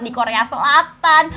di korea selatan